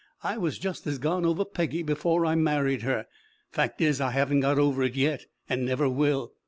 I was just as gone over Peggy before I married her. Fact is, I haven't got over it yet and never will.